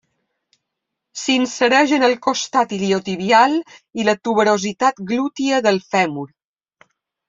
S'insereix en el costat iliotibial i la tuberositat glútia del fèmur.